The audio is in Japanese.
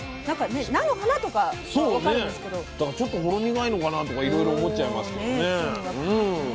だからちょっとほろ苦いのかなとかいろいろ思っちゃいますけどね。